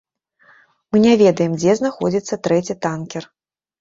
Мы не ведаем, дзе знаходзіцца трэці танкер.